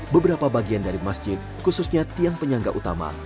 beberapa bagian dari masjid khususnya tiang penyangga utama